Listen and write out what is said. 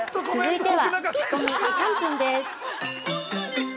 ◆続いては仕込み３分です。